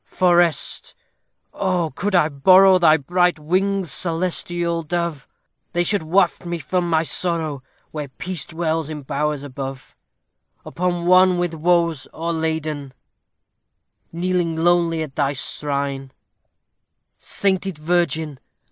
For rest! oh! could I borrow Thy bright wings, celestial dove! They should waft me from my sorrow, Where peace dwells in bowers above. Upon one with woes o'erladen, Kneeling lowly at thy shrine; Sainted virgin!